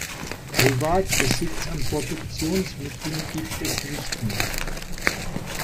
Privatbesitz an Produktionsmitteln gibt es nicht mehr.